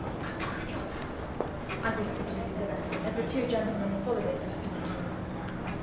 "Compose yourself," I whispered to Lucilla as the two gentlemen followed us into the sitting room.